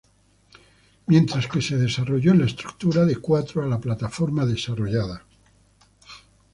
Mientras que se desarrolló en la estructura de cuatro a la plataforma desarrollada.